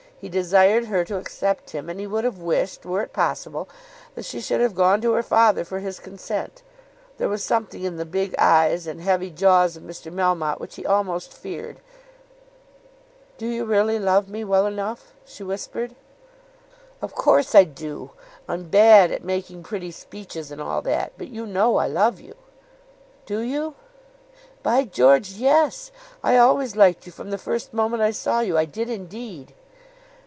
He desired her to accept him; and he would have wished, were it possible, that she should have gone to her father for his consent. There was something in the big eyes and heavy jaws of Mr. Melmotte which he almost feared. "Do you really love me well enough?" she whispered. "Of course I do. I'm bad at making pretty speeches, and all that, but you know I love you." "Do you?" "By George, yes. I always liked you from the first moment I saw you. I did indeed."